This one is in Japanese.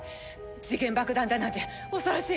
時限爆弾だなんて恐ろしい！